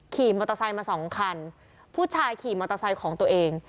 ขี่มอเตอร์ไซค์มาสองคันผู้ชายขี่มอเตอร์ไซค์ของตัวเอง